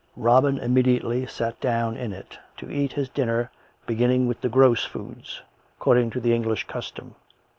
Robin immediately sat down in it, to eat his dinner, beginning with the " gross foods," according to the English custom.